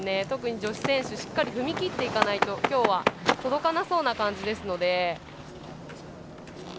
特に女子選手はしっかり踏み切らないと今日はとどかなそうな感じです。